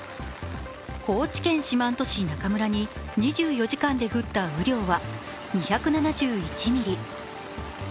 高知県四万十市中村に２４時間で降った雨量は２７１ミリ。